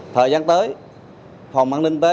thời gian tới phòng an ninh tế